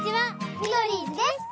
ミドリーズです！